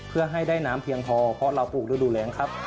เพื่อให้ได้น้ำเพียงพอเพราะเราปลูกฤดูแรงครับ